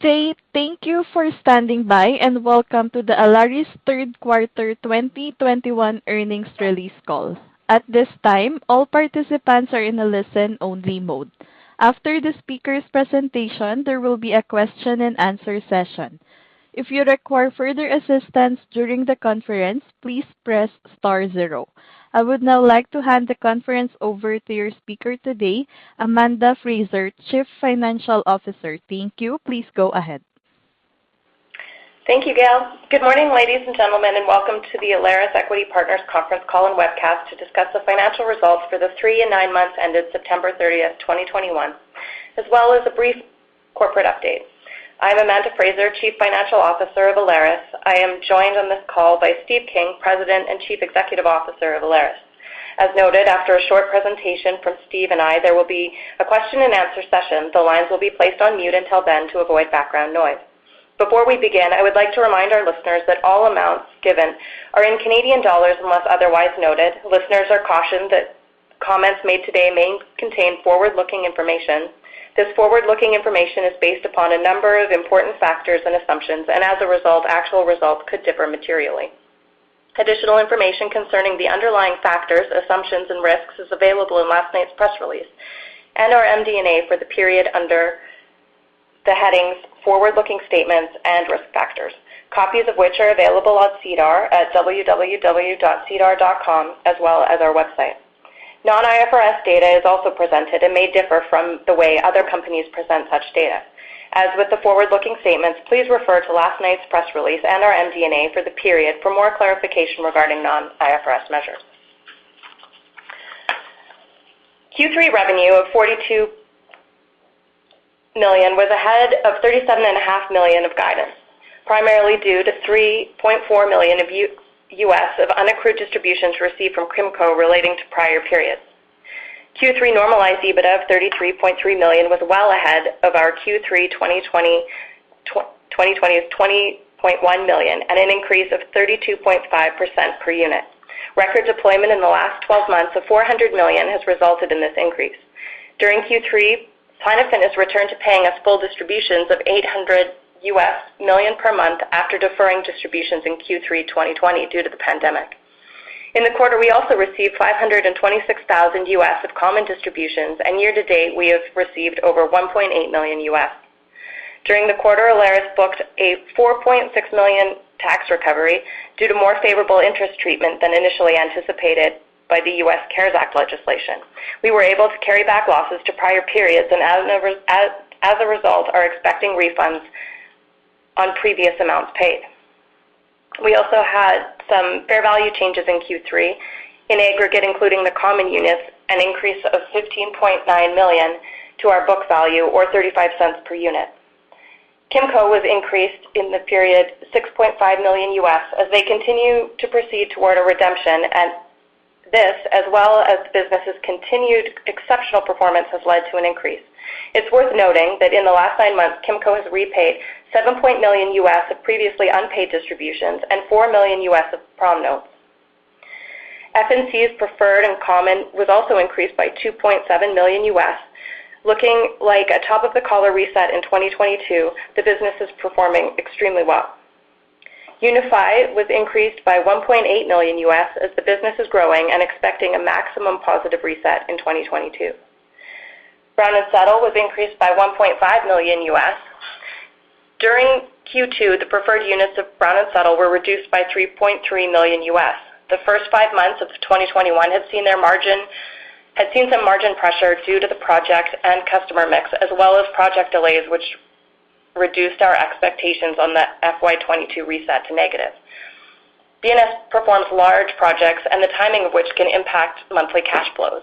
Thank you for standing by, and welcome to the Alaris third quarter 2021 earnings release call. At this time, all participants are in a listen-only mode. After the speaker's presentation, there will be a question-and-answer session. If you require further assistance during the conference, please press star zero. I would now like to hand the conference over to your speaker today, Amanda Frazer, Chief Financial Officer. Thank you. Please go ahead. Thank you, Gail. Good morning, ladies and gentlemen, and welcome to the Alaris Equity Partners conference call and webcast to discuss the financial results for the three and nine months ended September 30th, 2021, as well as a brief corporate update. I'm Amanda Frazer, Chief Financial Officer of Alaris. I am joined on this call by Steve King, President and Chief Executive Officer of Alaris. As noted, after a short presentation from Steve and I, there will be a question-and-answer session. The lines will be placed on mute until then to avoid background noise. Before we begin, I would like to remind our listeners that all amounts given are in Canadian dollars, unless otherwise noted. Listeners are cautioned that comments made today may contain forward-looking information. This forward-looking information is based upon a number of important factors and assumptions, and as a result, actual results could differ materially. Additional information concerning the underlying factors, assumptions, and risks is available in last night's press release and our MD&A for the period under the headings Forward-Looking Statements and Risk Factors, copies of which are available on SEDAR at www.sedar.com, as well as our website. Non-IFRS data is also presented and may differ from the way other companies present such data. As with the forward-looking statements, please refer to last night's press release and our MD&A for the period for more clarification regarding non-IFRS measures. Q3 revenue of 42 million was ahead of 37.5 million of guidance, primarily due to $3.4 million of U.S. unaccrued distributions received from Kimco relating to prior periods. Q3 normalized EBITDA of 33.3 million was well ahead of our Q3 2020's 20.1 million at an increase of 32.5% per unit. Record deployment in the last 12 months of 400 million has resulted in this increase. During Q3, Signifi has returned to paying us full distributions of $800,000 per month after deferring distributions in Q3 2020 due to the pandemic. In the quarter, we also received $526,000 of common distributions, and year to date, we have received over $1.8 million. During the quarter, Alaris booked a 4.6 million tax recovery due to more favorable interest treatment than initially anticipated by the CARES Act legislation. We were able to carry back losses to prior periods and as a result, are expecting refunds on previous amounts paid. We also had some fair value changes in Q3 in aggregate, including the common units, an increase of 15.9 million to our book value or 0.35 per unit. Kimco was increased in the period by $6.5 million U.S. as they continue to proceed toward a redemption, and this as well as the business's continued exceptional performance has led to an increase. It's worth noting that in the last nine months, Kimco has repaid $7 million U.S. of previously unpaid distributions and $4 million U.S. of prom notes. FNC's preferred and common was also increased by $2.7 million U.S. Looking like a top of the collar reset in 2022, the business is performing extremely well. Unify was increased by $1.8 million U.S. as the business is growing and expecting a maximum positive reset in 2022. Brown & Settle was increased by $1.5 million. During Q2, the preferred units of Brown & Settle were reduced by $3.3 million. The first five months of 2021 had seen some margin pressure due to the project and customer mix, as well as project delays which reduced our expectations on that FY 2022 reset to negative. BNS performs large projects, and the timing of which can impact monthly cash flows.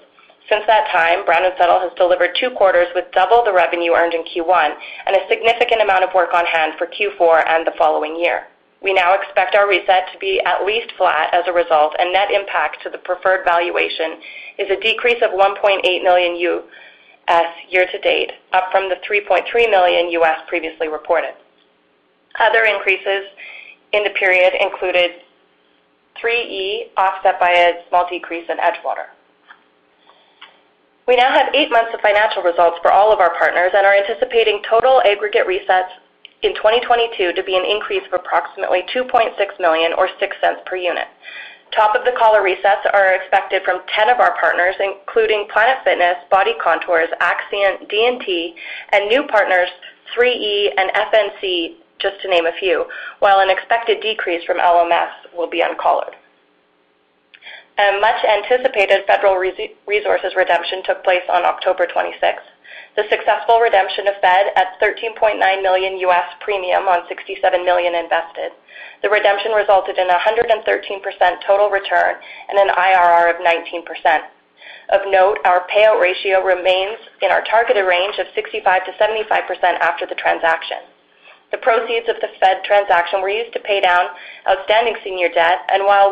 Since that time, Brown & Settle has delivered two quarters with double the revenue earned in Q1 and a significant amount of work on hand for Q4 and the following year. We now expect our reset to be at least flat as a result, and net impact to the preferred valuation is a decrease of $1.8 million. Year-to-date, up from the $3.3 million previously reported. Other increases in the period included 3E offset by a small decrease in Edgewater. We now have eight months of financial results for all of our partners and are anticipating total aggregate resets in 2022 to be an increase of approximately 2.6 million or 6 cents per unit. Top of the collar resets are expected from 10 of our partners, including Planet Fitness, Body Contour Centers, Accscient, DNT, and new partners 3E and FNC, just to name a few, while an expected decrease from LMS will be uncollared. A much-anticipated Federal Resources redemption took place on October 26th. The successful redemption of FED at $13.9 million premium on $67 million invested. The redemption resulted in a 113% total return and an IRR of 19%. Of note, our payout ratio remains in our targeted range of 65%-75% after the transaction. The proceeds of the FED transaction were used to pay down outstanding senior debt. While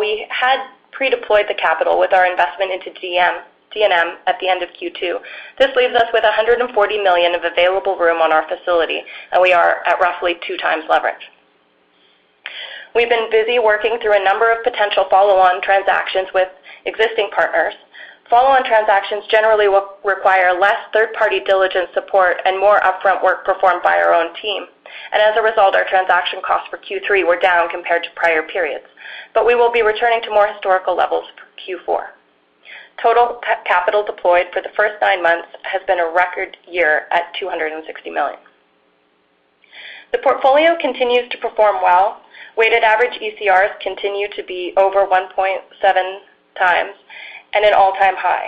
we had pre-deployed the capital with our investment into D&M at the end of Q2, this leaves us with 140 million of available room on our facility, and we are at roughly 2x leverage. We've been busy working through a number of potential follow-on transactions with existing partners. Follow-on transactions generally will require less third-party diligence support and more upfront work performed by our own team. As a result, our transaction costs for Q3 were down compared to prior periods, but we will be returning to more historical levels for Q4. Total capital deployed for the first nine months has been a record year at 260 million. The portfolio continues to perform well. Weighted average ECRs continue to be over 1.7 times at an all-time high.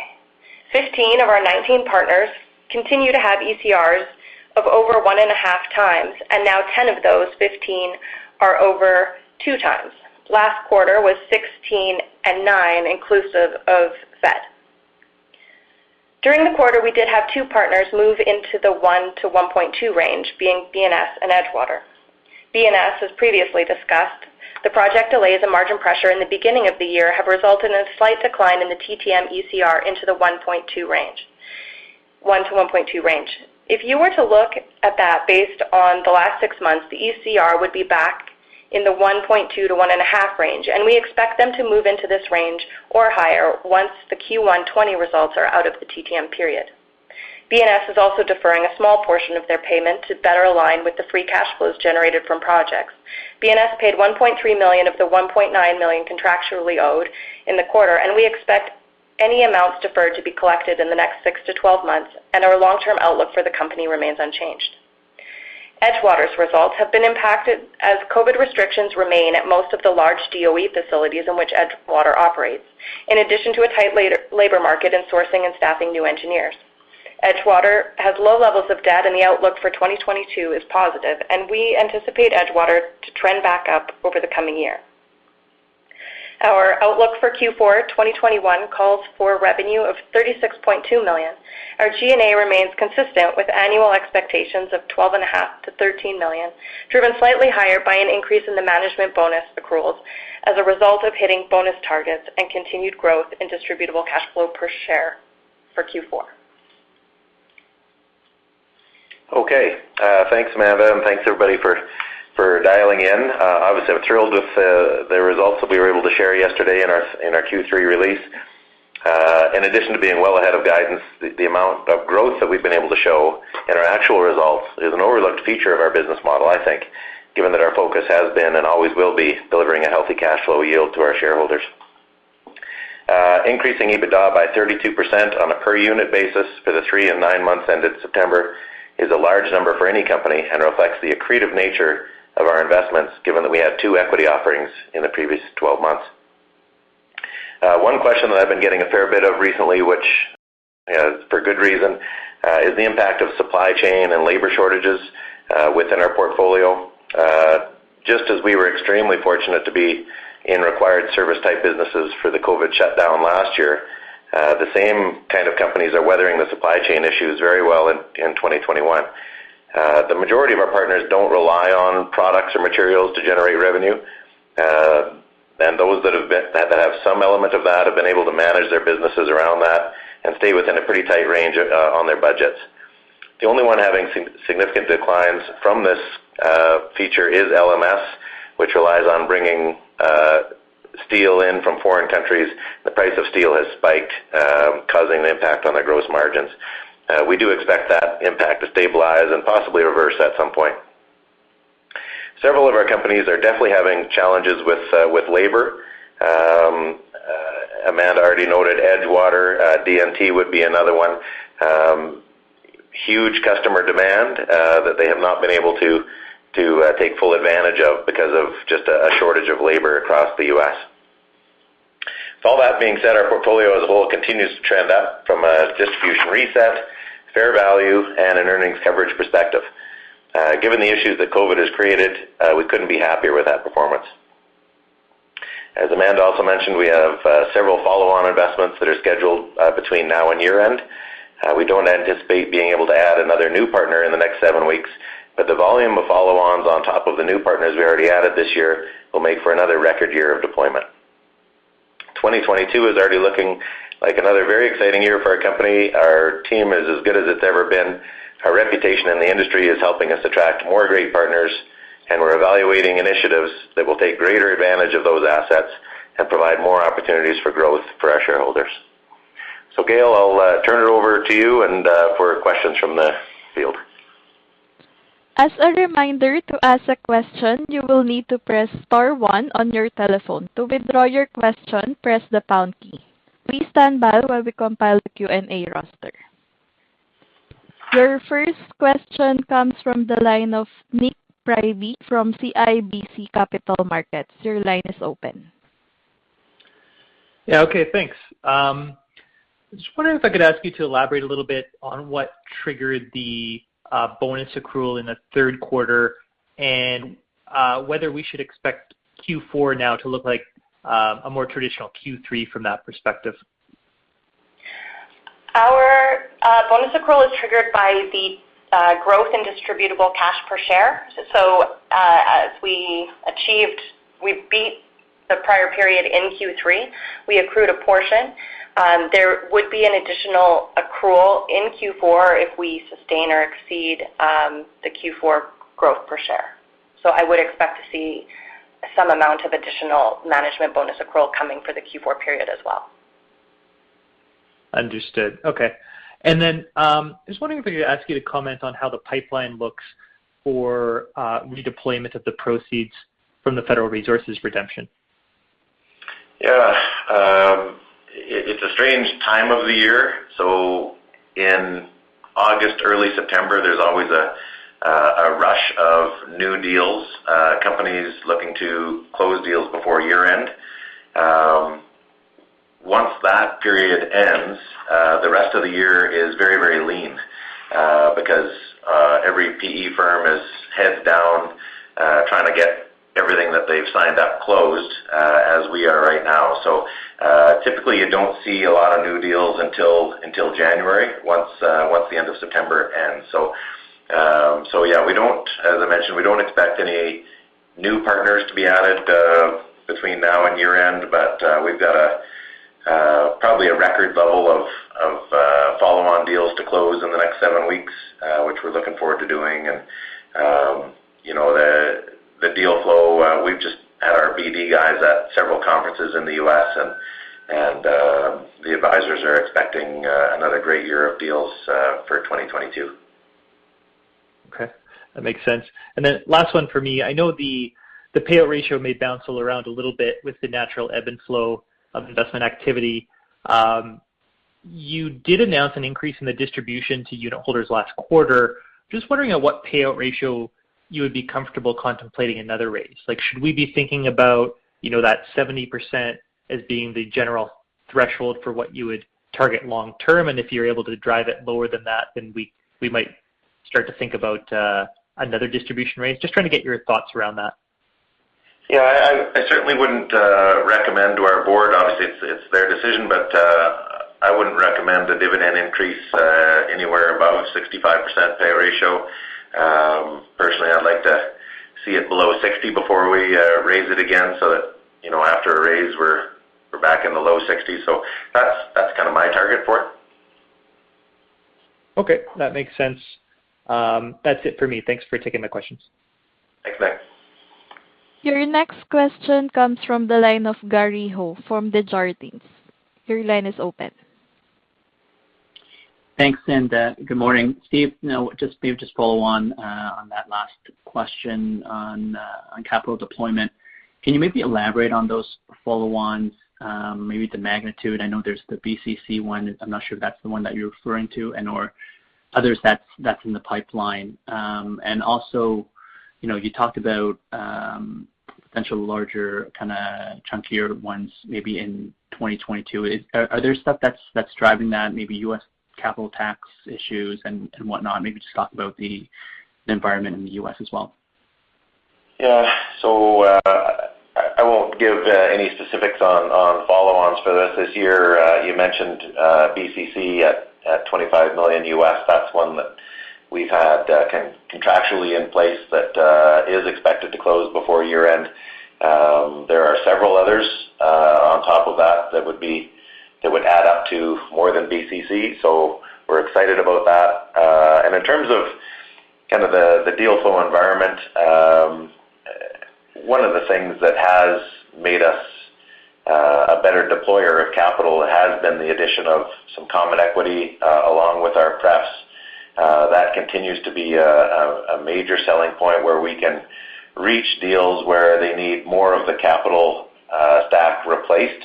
15 of our 19 partners continue to have ECRs of over 1.5 times, and now 10 of those 15 are over two times. Last quarter was 16 and nine, inclusive of FED. During the quarter, we did have two partners move into the 1-1.2 range, being BNS and Edgewater. BNS, as previously discussed, the project delays and margin pressure in the beginning of the year have resulted in a slight decline in the TTM ECR into the 1-1.2 range. If you were to look at that based on the last six months, the ECR would be back in the 1.2-1.5 range, and we expect them to move into this range or higher once the Q1 2020 results are out of the TTM period. BNS is also deferring a small portion of their payment to better align with the free cash flows generated from projects. BNS paid 1.3 million of the 1.9 million contractually owed in the quarter, and we expect any amounts deferred to be collected in the next six to 12 months, and our long-term outlook for the company remains unchanged. Edgewater's results have been impacted as COVID restrictions remain at most of the large DOE facilities in which Edgewater operates, in addition to a tight labor market in sourcing and staffing new engineers. Edgewater has low levels of debt, and the outlook for 2022 is positive, and we anticipate Edgewater to trend back up over the coming year. Our outlook for Q4 2021 calls for revenue of 36.2 million. Our G&A remains consistent with annual expectations of 12.5-13 million, driven slightly higher by an increase in the management bonus accruals as a result of hitting bonus targets and continued growth in distributable cash flow per share for Q4. Okay. Thanks, Amanda, and thanks everybody for dialing in. Obviously, I'm thrilled with the results that we were able to share yesterday in our Q3 release. In addition to being well ahead of guidance, the amount of growth that we've been able to show in our actual results is an overlooked feature of our business model, I think, given that our focus has been and always will be delivering a healthy cash flow yield to our shareholders. Increasing EBITDA by 32% on a per unit basis for the three and nine months ended September is a large number for any company and reflects the accretive nature of our investments given that we had two equity offerings in the previous 12 months. One question that I've been getting a fair bit of recently, which, you know, is for good reason, is the impact of supply chain and labor shortages within our portfolio. Just as we were extremely fortunate to be in required service type businesses for the COVID shutdown last year, the same kind of companies are weathering the supply chain issues very well in 2021. The majority of our partners don't rely on products or materials to generate revenue. Those that have some element of that have been able to manage their businesses around that and stay within a pretty tight range on their budgets. The only one having significant declines from this feature is LMS, which relies on bringing steel in from foreign countries. The price of steel has spiked, causing the impact on their gross margins. We do expect that impact to stabilize and possibly reverse at some point. Several of our companies are definitely having challenges with labor. Amanda already noted Edgewater. D&M would be another one. Huge customer demand that they have not been able to take full advantage of because of just a shortage of labor across the U.S. With all that being said, our portfolio as a whole continues to trend up from a distribution reset, fair value, and an earnings coverage perspective. Given the issues that COVID has created, we couldn't be happier with that performance. As Amanda also mentioned, we have several follow-on investments that are scheduled between now and year-end. We don't anticipate being able to add another new partner in the next seven weeks, but the volume of follow-ons on top of the new partners we already added this year will make for another record year of deployment. 2022 is already looking like another very exciting year for our company. Our team is as good as it's ever been. Our reputation in the industry is helping us attract more great partners, and we're evaluating initiatives that will take greater advantage of those assets and provide more opportunities for growth for our shareholders. Gail, I'll turn it over to you and for questions from the field. As a reminder, to ask a question, you will need to press star one on your telephone. To withdraw your question, press the pound key. Please stand by while we compile the Q&A roster. Your first question comes from the line of Nik Priebe from CIBC Capital Markets. Your line is open. Yeah. Okay, thanks. I was just wondering if I could ask you to elaborate a little bit on what triggered the bonus accrual in the third quarter and whether we should expect Q4 now to look like a more traditional Q3 from that perspective. Our bonus accrual is triggered by the growth in distributable cash per share. As we achieved, we beat the prior period in Q3, we accrued a portion. There would be an additional accrual in Q4 if we sustain or exceed the Q4 growth per share. I would expect to see some amount of additional management bonus accrual coming for the Q4 period as well. Understood. Okay. I was wondering if I could ask you to comment on how the pipeline looks for redeployment of the proceeds from the Federal Resources redemption. Yeah. It's a strange time of the year. In August, early September, there's always a rush of new deals, companies looking to close deals before year-end. Once that period ends, the rest of the year is very, very lean, because every PE firm is heads down, trying to get everything that they've signed up closed, as we are right now. Typically, you don't see a lot of new deals until January once the end of September. As I mentioned, we don't expect any new partners to be added between now and year-end, but we've got probably a record level of follow-on deals to close in the next seven weeks, which we're looking forward to doing. You know, the deal flow, we've just had our BD guys at several conferences in the U.S., and the advisors are expecting another great year of deals for 2022. Okay. That makes sense. Last one for me. I know the payout ratio may bounce all around a little bit with the natural ebb and flow of investment activity. You did announce an increase in the distribution to unitholders last quarter. Just wondering at what payout ratio you would be comfortable contemplating another raise. Like, should we be thinking about, you know, that 70% as being the general threshold for what you would target long term? If you're able to drive it lower than that, then we might start to think about another distribution raise. Just trying to get your thoughts around that. Yeah. I certainly wouldn't recommend to our board. Obviously, it's their decision, but I wouldn't recommend a dividend increase anywhere above 65% payout ratio. Personally, I'd like to see it below 60% before we raise it again so that, you know, after a raise, we're back in the low 60s%. That's kinda my target for it. Okay. That makes sense. That's it for me. Thanks for taking the questions. Thanks, Nik. Your next question comes from the line of Gary Ho from Desjardins. Your line is open. Thanks, good morning. Steve, now just follow on that last question on capital deployment. Can you maybe elaborate on those follow-ons, maybe the magnitude? I know there's the BCC one. I'm not sure if that's the one that you're referring to and-or others that's in the pipeline. Also, you know, you talked about potential larger kinda chunkier ones maybe in 2022. Are there stuff that's driving that, maybe U.S. capital tax issues and whatnot? Maybe just talk about the environment in the U.S. as well. Yeah. I won't give any specifics on follow-ons for this year. You mentioned BCC at $25 million. That's one that we've had contractually in place that is expected to close before year-end. There are several others on top of that that would add up to more than BCC. We're excited about that. In terms of the deal flow environment, one of the things that has made us a better deployer of capital has been the addition of some common equity along with our pref. That continues to be a major selling point where we can reach deals where they need more of the capital stack replaced.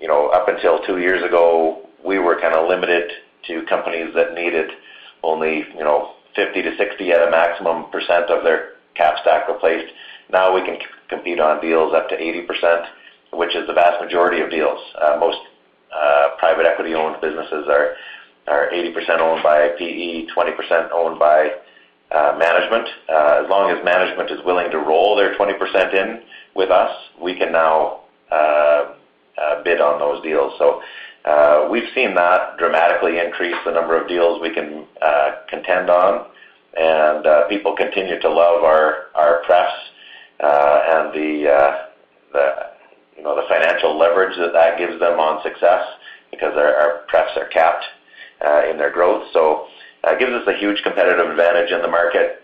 You know, up until two years ago, we were kinda limited to companies that needed only, you know, 50%-60% at a maximum of their cap stack replaced. Now, we can compete on deals up to 80%, which is the vast majority of deals. Most private equity-owned businesses are 80% owned by PE, 20% owned by management. As long as management is willing to roll their 20% in with us, we can now bid on those deals. So we've seen that dramatically increase the number of deals we can contend on. People continue to love our pref and the, you know, the financial leverage that that gives them on success because our pref are capped in their growth. That gives us a huge competitive advantage in the market.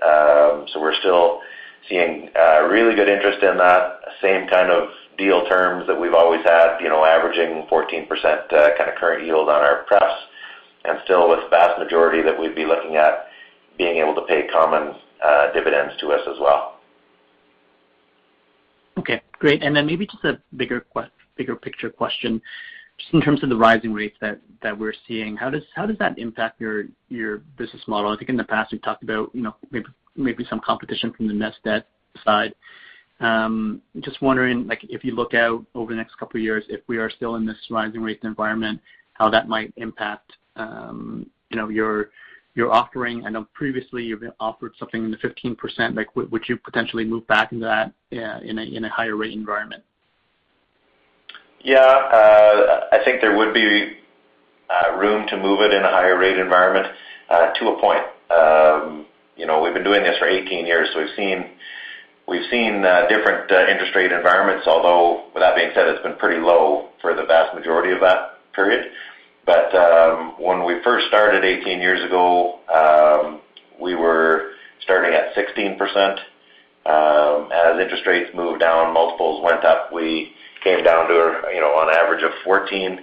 We're still seeing really good interest in that same kind of deal terms that we've always had, you know, averaging 14%, kinda current yield on our pref. Still with vast majority that we'd be looking at being able to pay common dividends to us as well. Okay, great. Maybe just a bigger picture question. Just in terms of the rising rates that we're seeing, how does that impact your business model? I think in the past, you've talked about, you know, maybe some competition from the net debt side. Just wondering, like, if you look out over the next couple of years, if we are still in this rising rate environment, how that might impact, you know, your offering. I know previously you've offered something in the 15%. Like, would you potentially move back into that in a higher rate environment? Yeah. I think there would be room to move it in a higher rate environment to a point. You know, we've been doing this for 18 years, so we've seen different interest rate environments. Although with that being said, it's been pretty low for the vast majority of that period. When we first started 18 years ago, we were starting at 16%. As interest rates moved down, multiples went up. We came down to, you know, on average of 14.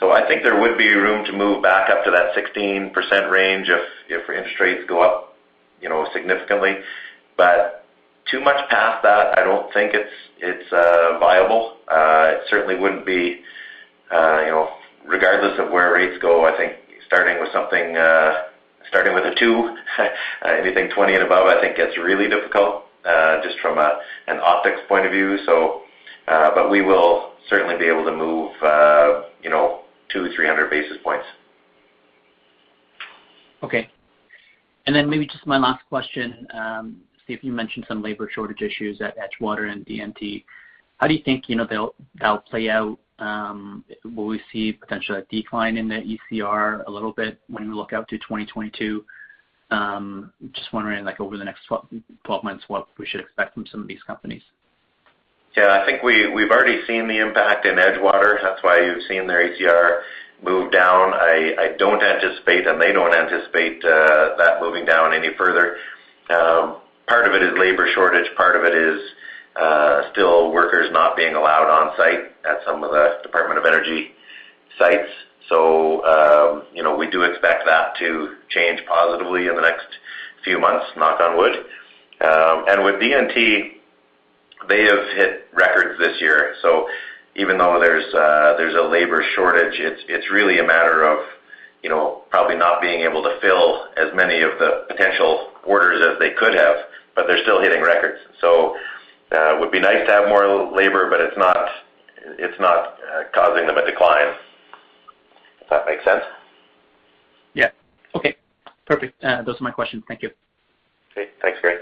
I think there would be room to move back up to that 16% range if interest rates go up, you know, significantly. Too much past that, I don't think it's viable. It certainly wouldn't be, you know. Regardless of where rates go, I think starting with a two, anything 20 and above, I think gets really difficult, just from an optics point of view. We will certainly be able to move, you know, 200-300 basis points. Okay. Maybe just my last question, Steve, you mentioned some labor shortage issues at Edgewater and DNT. How do you think, you know, they'll play out? Will we see potentially a decline in the ECR a little bit when we look out to 2022? Just wondering, like, over the next 12 months, what we should expect from some of these companies. Yeah. I think we've already seen the impact in Edgewater. That's why you've seen their ECR move down. I don't anticipate, and they don't anticipate, that moving down any further. Part of it is labor shortage, part of it is still workers not being allowed on site at some of the Department of Energy sites. You know, we do expect that to change positively in the next few months, knock on wood. With DNT, they have hit records this year. Even though there's a labor shortage, it's really a matter of, you know, probably not being able to fill as many of the potential orders as they could have, but they're still hitting records. It would be nice to have more labor, but it's not causing them a decline, if that makes sense. Yeah. Okay. Perfect. Those are my questions. Thank you. Okay. Thanks, Gary.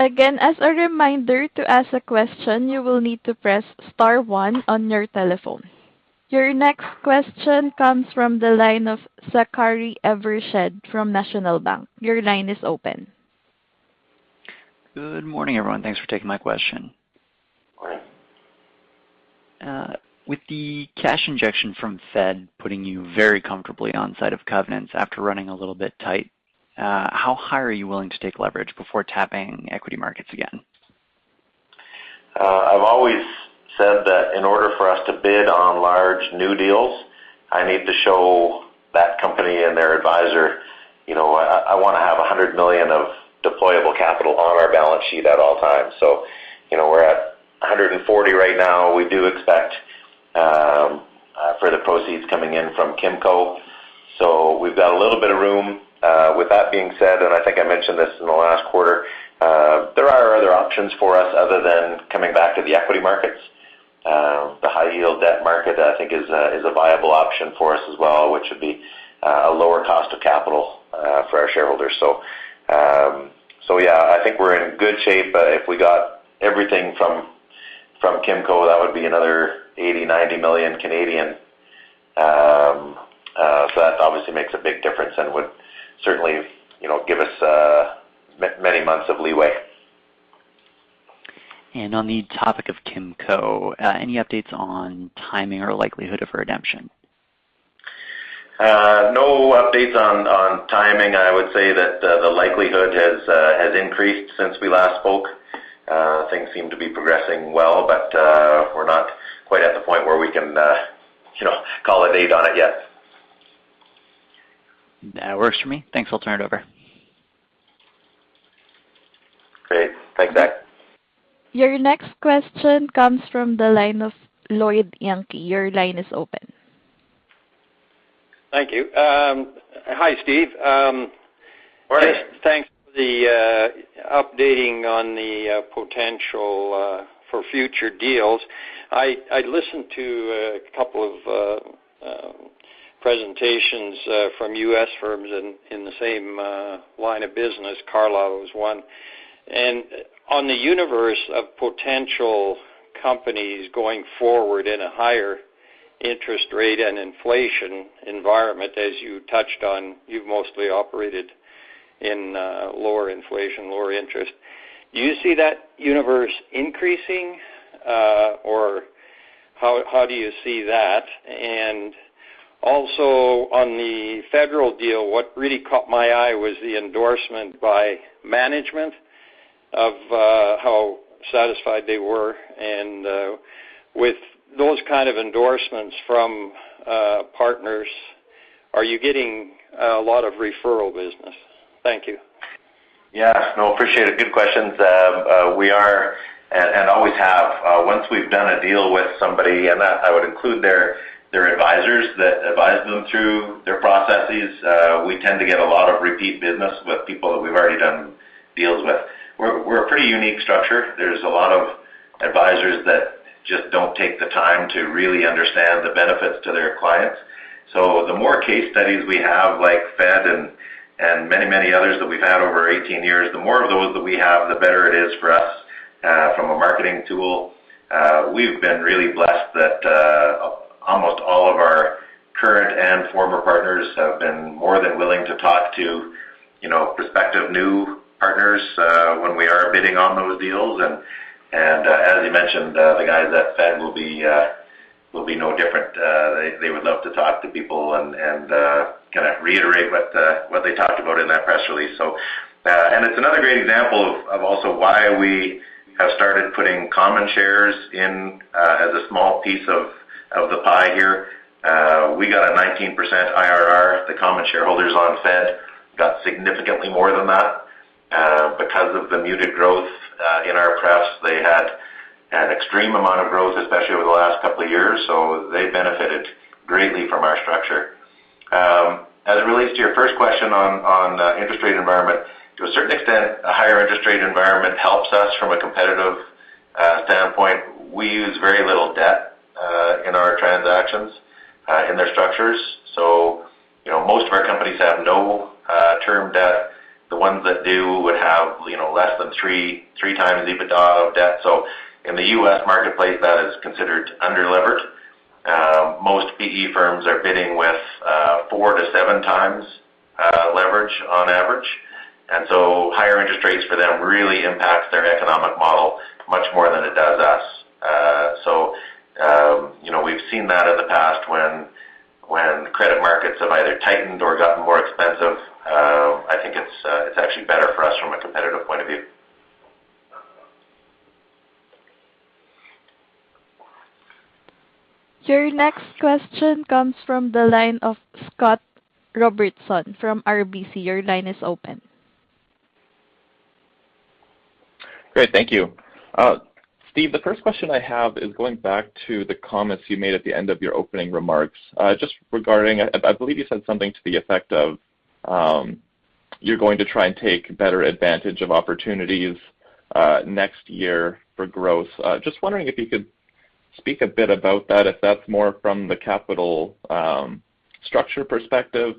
Again, as a reminder, to ask a question, you will need to press star one on your telephone. Your next question comes from the line of Zachary Evershed from National Bank Financial. Your line is open. Good morning, everyone. Thanks for taking my question. Morning. With the cash injection from FED putting you very comfortably inside of covenants after running a little bit tight, how high are you willing to take leverage before tapping equity markets again? I've always said that in order for us to bid on large new deals, I need to show that company and their advisor, you know, I wanna have 100 million of deployable capital on our balance sheet at all times. You know, we're at 140 million right now. We do expect further proceeds coming in from Kimco. We've got a little bit of room. With that being said, I think I mentioned this in the last quarter, there are other options for us other than coming back to the equity markets. The high yield debt market, I think is a viable option for us as well, which would be a lower cost of capital for our shareholders. Yeah, I think we're in good shape. If we got everything from Kimco, that would be another 80 million-90 million. That obviously makes a big difference and would certainly, you know, give us many months of leeway. On the topic of Kimco, any updates on timing or likelihood of redemption? No updates on timing. I would say that the likelihood has increased since we last spoke. Things seem to be progressing well, but we're not quite at the point where we can, you know, call it a day on it yet. That works for me. Thanks. I'll turn it over. Great. Thanks, Zach. Your next question comes from the line of Lloyd Yanke. Your line is open. Thank you. Hi, Steve. Morning. Thanks for the updating on the potential for future deals. I listened to a couple of presentations from U.S. firms in the same line of business. Carlyle was one. On the universe of potential companies going forward in a higher interest rate and inflation environment, as you touched on, you've mostly operated in lower inflation, lower interest. Do you see that universe increasing? Or how do you see that? Also on the federal deal, what really caught my eye was the endorsement by management of how satisfied they were. With those kind of endorsements from partners, are you getting a lot of referral business? Thank you. Yeah. No, appreciate it. Good questions. We are and always have, once we've done a deal with somebody, and that I would include their advisors that advise them through their processes, we tend to get a lot of repeat business with people that we've already done deals with. We're a pretty unique structure. There's a lot of advisors that just don't take the time to really understand the benefits to their clients. The more case studies we have like FED and many others that we've had over 18 years, the more of those that we have, the better it is for us from a marketing tool. We've been really blessed that almost all of our current and former partners have been more than willing to talk to, you know, prospective new partners when we are bidding on those deals. As you mentioned, the guys at FED will be no different. They would love to talk to people and kinda reiterate what they talked about in that press release. It's another great example of also why we have started putting common shares in as a small piece of the pie here. We got a 19% IRR. The common shareholders on FED got significantly more than that because of the muted growth in our prefs. They had an extreme amount of growth, especially over the last couple of years. They benefited greatly from our structure. As it relates to your first question on interest rate environment. To a certain extent, a higher interest rate environment helps us from a competitive standpoint. We use very little debt in our transactions in their structures. You know, most of our companies have no term debt. The ones that do would have, you know, less than three times EBITDA of debt. In the U.S. marketplace, that is considered underlevered. Most PE firms are bidding with four-seven times leverage on average. Higher interest rates for them really impacts their economic model much more than it does us. You know, we've seen that in the past when credit markets have either tightened or gotten more expensive. I think it's actually better for us from a competitive point of view. Your next question comes from the line of Scott Robertson from RBC. Your line is open. Great. Thank you. Steve, the first question I have is going back to the comments you made at the end of your opening remarks. Just regarding, I believe you said something to the effect of, you're going to try and take better advantage of opportunities next year for growth. Just wondering if you could speak a bit about that, if that's more from the capital structure perspective.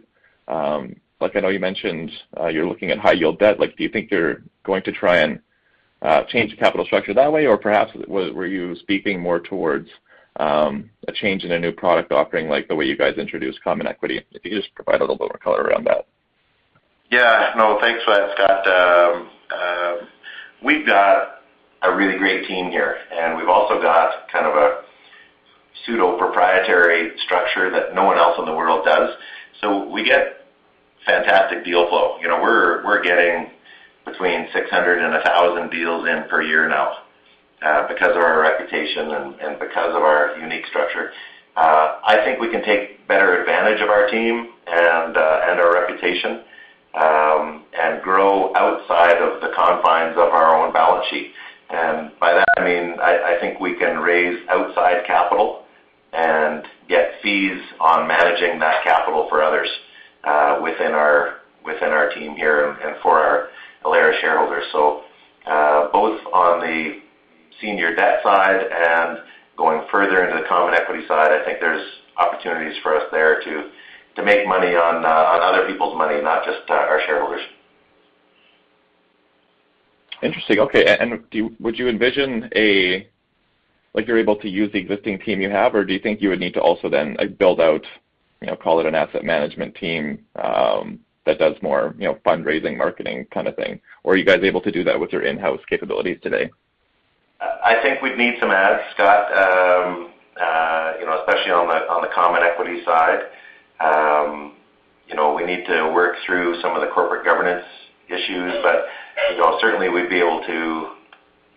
Like I know you mentioned, you're looking at high yield debt. Like, do you think you're going to try and change the capital structure that way? Or perhaps were you speaking more towards a change in a new product offering, like the way you guys introduced common equity? If you could just provide a little bit more color around that. Yeah. No, thanks for that, Scott. We've got a really great team here, and we've also got kind of a pseudo proprietary structure that no one else in the world does. We get fantastic deal flow. You know, we're getting between 600 and 1,000 deals per year now, because of our reputation and because of our unique structure. I think we can take better advantage of our team and our reputation, and grow outside of the confines of our own balance sheet. By that I mean I think we can raise outside capital and get fees on managing that capital for others, within our team here and for our Alaris shareholders. Both on the senior debt side and going further into the common equity side, I think there's opportunities for us there to make money on other people's money, not just our shareholders. Interesting. Okay. Would you envision, like, you're able to use the existing team you have? Or do you think you would need to also then, like, build out, you know, call it an asset management team that does more, you know, fundraising, marketing kind of thing? Or are you guys able to do that with your in-house capabilities today? I think we'd need some adds, Scott. You know, especially on the common equity side. You know, we need to work through some of the corporate governance issues. You know, certainly we'd be able to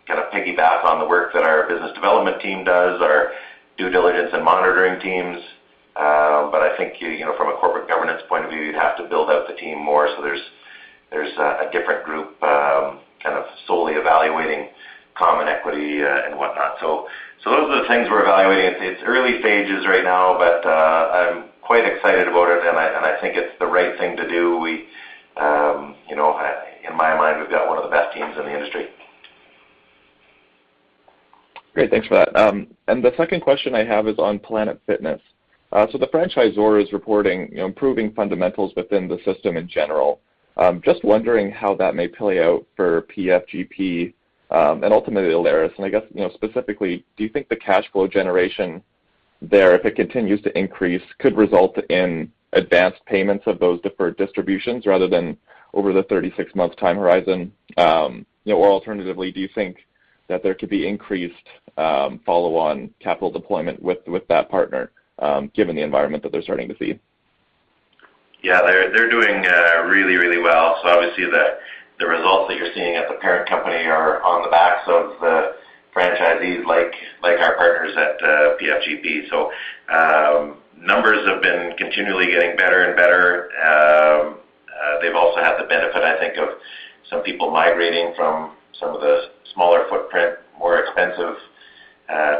kind of piggyback on the work that our business development team does, our due diligence and monitoring teams. I think, you know, from a corporate governance point of view, you'd have to build out the team more so there's a different group kind of solely evaluating common equity and whatnot. Those are the things we're evaluating. It's early stages right now, but I'm quite excited about it, and I think it's the right thing to do. We, you know, in my mind, we've got one of the best teams in the industry. Great. Thanks for that. The second question I have is on Planet Fitness. The franchisor is reporting, you know, improving fundamentals within the system in general. Just wondering how that may play out for PFGP, and ultimately Alaris. I guess, you know, specifically, do you think the cash flow generation there, if it continues to increase, could result in advanced payments of those deferred distributions rather than over the 36-month time horizon? You know, or alternatively, do you think that there could be increased follow-on capital deployment with that partner, given the environment that they're starting to see? Yeah. They're doing really well. Obviously the results that you're seeing at the parent company are on the backs of the franchisees like our partners at PFGP. Numbers have been continually getting better and better. They've also had the benefit, I think, of some people migrating from some of the smaller footprint, more expensive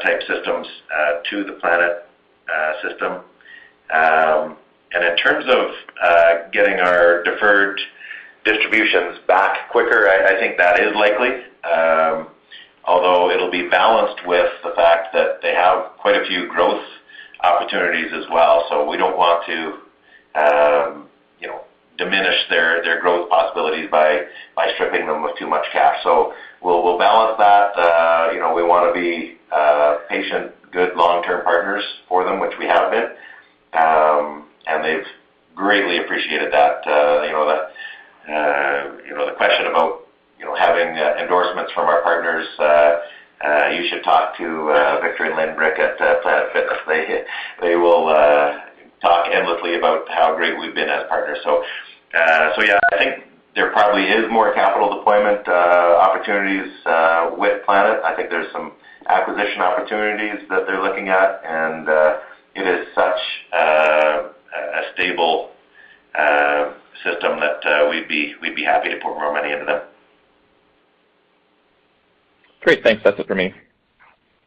type systems to the Planet system. In terms of getting our deferred distributions back quicker, I think that is likely. Although it'll be balanced with the fact that they have quite a few growth opportunities as well. We don't want to, you know, diminish their growth possibilities by stripping them with too much cash. We'll balance that. You know, we wanna be patient, good long-term partners for them, which we have been. They've greatly appreciated that. You know, the question about having endorsements from our partners, you should talk to Victor and Lynne Brick at Planet Fitness. They will talk endlessly about how great we've been as partners. Yeah. I think there probably is more capital deployment opportunities with Planet. I think there's some acquisition opportunities that they're looking at, and it is such a stable system that we'd be happy to pour more money into them. Great. Thanks. That's it for me.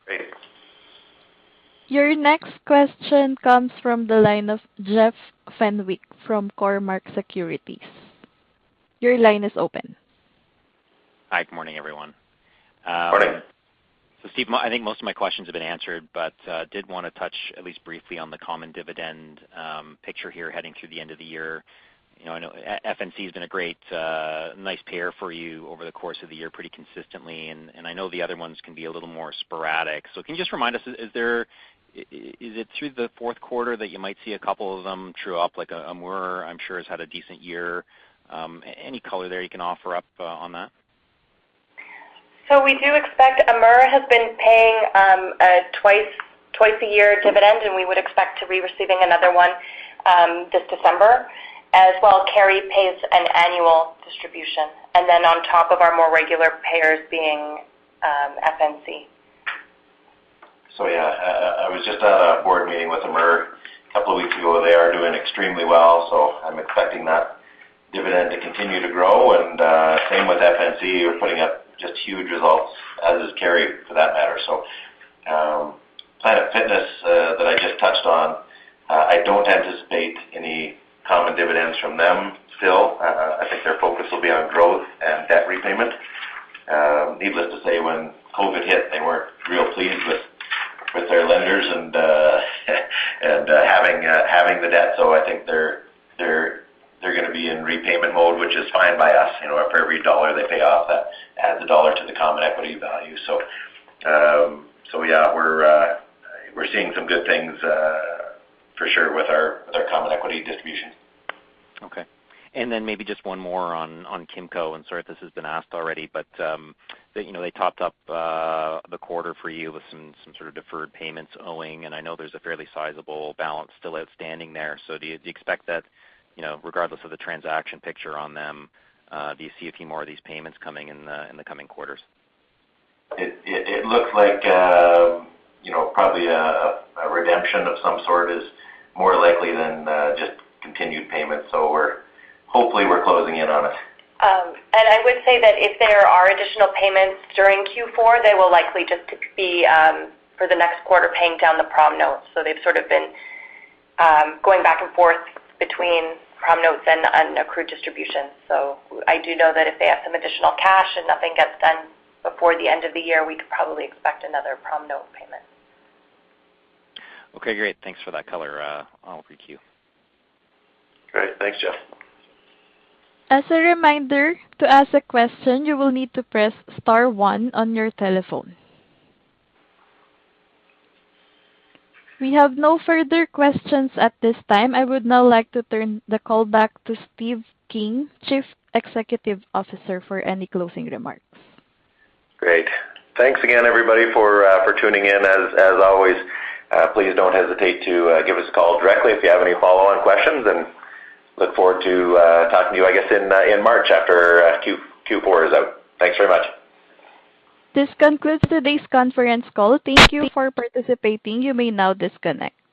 Great. Your next question comes from the line of Jeff Fenwick from Cormark Securities. Your line is open. Hi. Good morning, everyone. Morning. Steve, I think most of my questions have been answered, but did want to touch at least briefly on the common dividend picture here heading through the end of the year. You know, I know FNC has been a great nice payer for you over the course of the year pretty consistently, and I know the other ones can be a little more sporadic. Can you just remind us, is it through the fourth quarter that you might see a couple of them true up like AMUR. I'm sure it has had a decent year. Any color there you can offer up on that? We do expect AMUR has been paying twice a year dividend, and we would expect to be receiving another one this December. As well, Carey ays an annual distribution. On top of our more regular payers being FNC. Yeah. I was just at a board meeting with AMUR a couple of weeks ago. They are doing extremely well, so I'm expecting that dividend to continue to grow. Same with FNC is putting up just huge results, as is Carey for that matter. Planet Fitness that I just touched on, I don't anticipate any common dividends from them still. I think their focus will be on growth and debt repayment. Needless to say, when COVID hit, they weren't real pleased with their lenders and having the debt. I think they're gonna be in repayment mode, which is fine by us. You know, for every dollar they pay off, that adds a dollar to the common equity value. Yeah, we're seeing some good things for sure with our common equity distribution. Okay. Then maybe just one more on Kimco, and sorry if this has been asked already, but you know, they topped up the quarter for you with some sort of deferred payments owing, and I know there's a fairly sizable balance still outstanding there. Do you expect that you know, regardless of the transaction picture on them, do you see a few more of these payments coming in in the coming quarters? It looks like, you know, probably a redemption of some sort is more likely than just continued payments. We're hopefully closing in on it. I would say that if there are additional payments during Q4, they will likely just be for the next quarter, paying down the promissory notes. They've sort of been going back and forth between promissory notes and unaccrued distribution. I do know that if they have some additional cash and nothing gets done before the end of the year, we could probably expect another prom note payment. Okay, great. Thanks for that color, I'll queue. Great. Thanks, Jeff. As a reminder, to ask a question, you will need to press star one on your telephone. We have no further questions at this time. I would now like to turn the call back to Steve King, Chief Executive Officer, for any closing remarks. Great. Thanks again everybody for tuning in. As always, please don't hesitate to give us a call directly if you have any follow-on questions, and look forward to talking to you I guess in March after Q4 is out. Thanks very much. This concludes today's conference call. Thank you for participating. You may now disconnect.